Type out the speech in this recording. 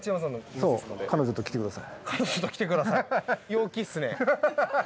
陽気っすね。